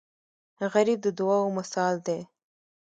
غریب د دعاو مثال دی